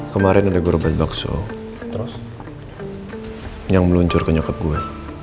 kemarin ada gerobak bakso yang meluncur ke nyokap gue